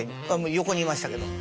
横にいましたけど。